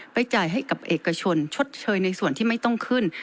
จ่ายให้กับเอกชนชดเชยในส่วนที่ไม่ต้องขึ้น